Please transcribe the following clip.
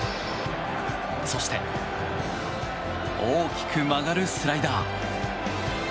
そして大きく曲がるスライダー。